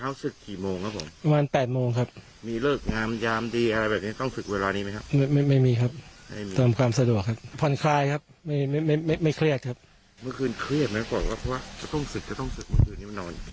เมื่อคืนเครียดเหมือนกับว่าต้องศึกเมื่อคืนนี่มานอน